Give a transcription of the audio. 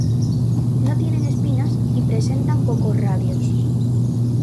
No tienen espinas, y presentan pocos radios.